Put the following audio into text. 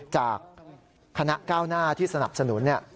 จากคณะก้าวหน้าที่สนับสนุน